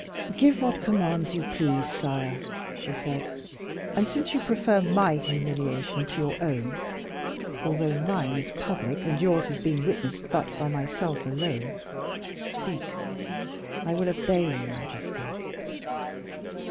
"Give what commands you please, sire," she said; "and since you prefer my humiliation to your own although mine is public and yours has been witnessed but by myself alone speak, I will obey your majesty."